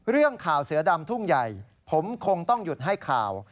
เรื่องข่าวเสือดำทุ่งใหญ่ผมคงต้องหยุดให้ข่าว